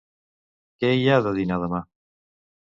Què hi ha de dinar demà?